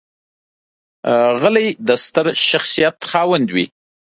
غلی، د ستر شخصیت خاوند وي.